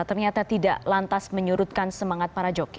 ternyata tidak lantas menyurutkan semangat para joki